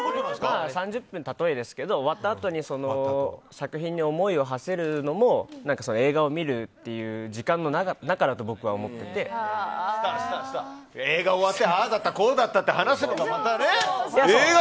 ３０分は例えですけど終わったあとに作品に思いをはせるのも映画を見るっていう時間の中だと映画終わったらああだった、こうだったって話すのが、またね。